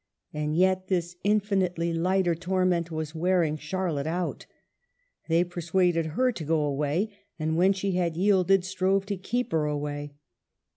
And yet this infinitely lighter torment was wearing Charlotte out. They persuaded her to go away, and, when she had yielded, strove to keep her away.